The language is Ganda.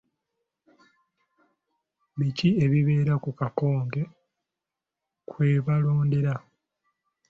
Biki ebibeera ku kakonge kwe balondera?